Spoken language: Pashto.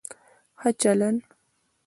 ښه چلند